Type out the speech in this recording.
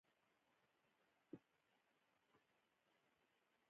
متل د عربي ژبې له مثل سره اړیکه لري